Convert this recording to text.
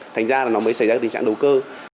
thành ra là nó mới xảy ra tình trạng đầu cơ